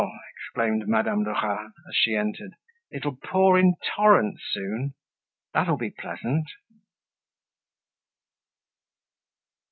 exclaimed Madame Lerat as she entered, "it'll pour in torrents soon! That'll be pleasant!"